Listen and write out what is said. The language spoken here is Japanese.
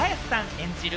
演じる